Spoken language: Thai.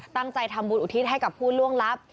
ตั้งใจทำบุญอุทิศให้กับผู้ล่วงลับ